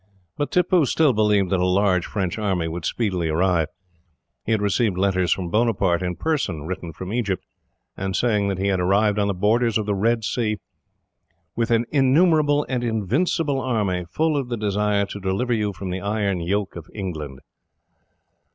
But Tippoo still believed that a large French army would speedily arrive. He had received letters from Buonaparte in person, written from Egypt, and saying that he had arrived on the borders of the Red Sea, "with an innumerable and invincible army, full of the desire to deliver you from the iron yoke of England."